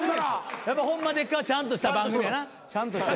やっぱ『ホンマでっか！？』はちゃんとした番組やな。